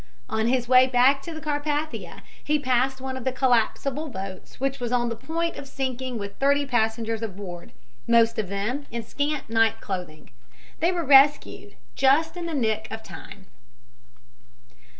On his way back to the Carpathia he passed one of the collapsible boats which was on the point of sinking with thirty passengers aboard, most of them in scant night clothing. They were rescued just in the nick of time.